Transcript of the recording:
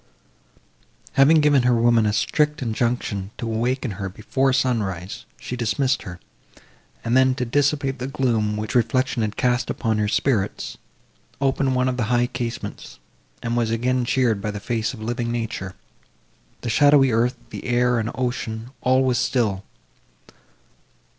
Having given her woman a strict injunction to awaken her, before sunrise, she dismissed her; and then, to dissipate the gloom, which reflection had cast upon her spirits, opened one of the high casements, and was again cheered by the face of living nature. The shadowy earth, the air, and ocean—all was still.